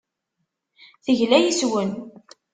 Tegla yes-wen.